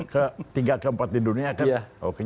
ke tiga ke empat di dunia kan